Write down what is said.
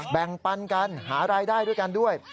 แบ่งปันกันหารายได้ด้วยกันด้วย